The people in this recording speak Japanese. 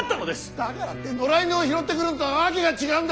だからって野良犬を拾ってくるのとは訳が違うんだ！